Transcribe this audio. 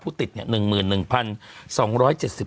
ผู้ติดเนี่ย๑๑๗๖คนนะครับ